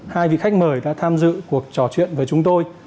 hai vị khách mời đã tham dự cuộc trò chuyện với chúng tôi